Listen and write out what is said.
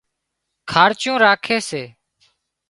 کارچُون راکي سي